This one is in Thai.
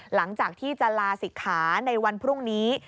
หลังจากที่จะลาศิกขาในวันพรุ่งนี้